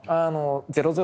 ００